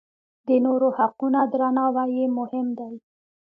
د نورو حقونه درناوی یې مهم دی.